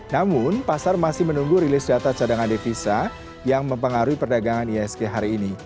namun pasar masih menunggu rilis data cadangan devisa yang mempengaruhi perdagangan isg hari ini